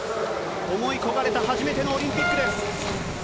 思い焦がれた初めてのオリンピックです。